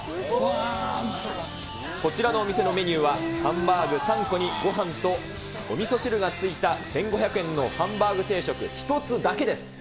こちらのお店のメニューは、ハンバーグ３個にごはんとおみそ汁がついた１５００円のハンバーグ定食１つだけです。